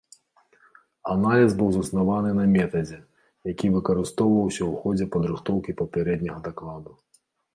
Аналіз быў заснаваны на метадзе, які выкарыстоўваўся ў ходзе падрыхтоўкі папярэдняга дакладу.